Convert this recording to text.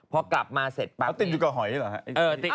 พอกลับมาเสร็จติดอยู่กับหอยหรอ